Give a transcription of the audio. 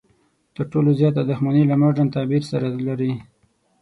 تر ټولو زیاته دښمني له مډرن تعبیر سره لري.